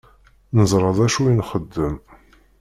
Neẓṛa dacu i nxeddem.